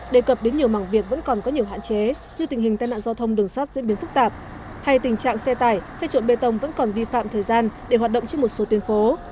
đề cập đến nhiều mảng việc vẫn còn có nhiều hạn chế như tình hình tai nạn giao thông đường sắt diễn biến phức tạp hay tình trạng xe tải xe trộn bê tông vẫn còn vi phạm thời gian để hoạt động trên một số tuyên phố